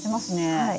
はい。